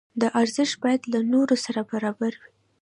دا ارزښت باید له نورو سره برابر وي.